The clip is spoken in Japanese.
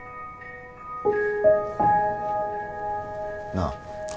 なあ。